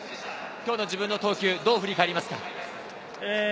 今日の投球どう振り返りますか？